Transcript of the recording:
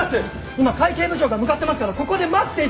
今会計部長が向かってますからここで待っていてください！